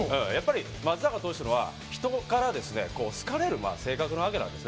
松坂投手は人から好かれる性格なわけです。